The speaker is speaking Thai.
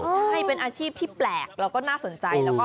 ใช่เป็นอาชีพที่แปลกเราก็น่าสนใจ